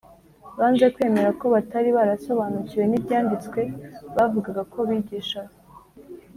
. Banze kwemera ko batari barasobanukiwe n’Ibyanditswe bavugaga ko bigisha.